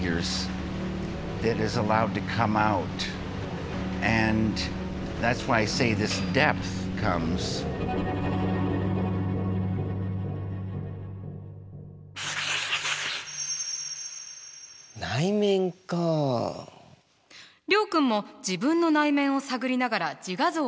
諒君も自分の内面を探りながら自画像を描いてみましょうか。